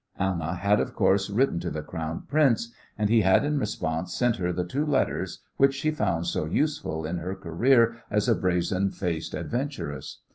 Anna had, of course, written to the Crown Prince, and he had in response sent her the two letters which she found so useful in her career as a brazen faced adventuress.